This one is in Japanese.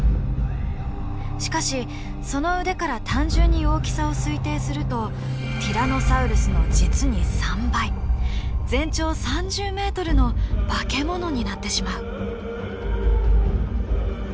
しかしその腕から単純に大きさを推定するとティラノサウルスの実に３倍全長３０メートルの化け物になってしまう。